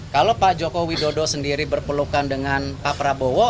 kalau pak jokowi dodo sendiri berpelukan dengan pak prabowo